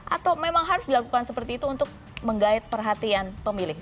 atau memang harus dilakukan seperti itu untuk menggait perhatian pemilik